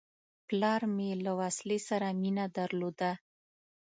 پلار مې له وسلې سره مینه درلوده.